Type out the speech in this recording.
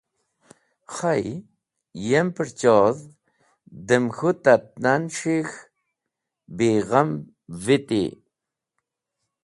Khey, yem pũrchodh dem k̃hũ tatnan s̃hik̃h bigham viti.